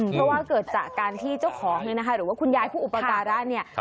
เพราะว่าเกิดจากการที่เจ้าของเนี่ยนะคะหรือว่าคุณยายผู้อุปการะเนี่ย